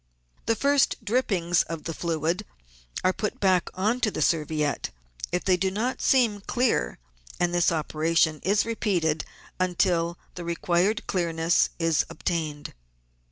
The first drippings of the fluid are put back on to the serviette if they do not seem clear, and this operation is repeated until the required clearness is obtained.